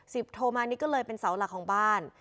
โทมานิดก็เลยเป็นเสาหลักของบ้าน